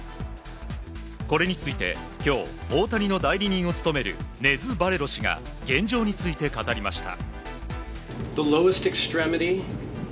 これについて、今日大谷の代理人を務めるネズ・バレロ氏が現状について語りました。